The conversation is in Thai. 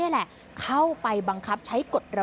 สุดทนแล้วกับเพื่อนบ้านรายนี้ที่อยู่ข้างกัน